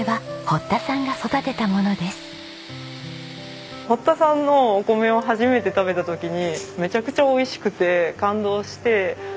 堀田さんのお米を初めて食べた時にめちゃくちゃ美味しくて感動して。